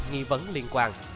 nghi vấn liên quan